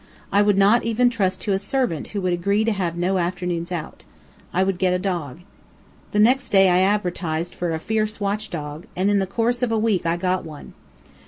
I would not even trust to a servant who would agree to have no afternoons out. I would get a dog. The next day I advertised for a fierce watchdog, and in the course of a week I got one.